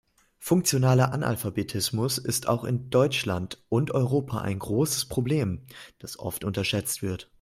Funktionaler Analphabetismus ist auch in Deutschland und Europa ein großes Problem, das oft unterschätzt wird.